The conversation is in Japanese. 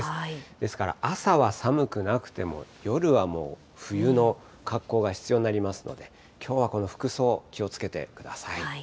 ですから朝は寒くなくても、夜はもう冬の格好が必要になりますので、きょうは服装、気をつけてください。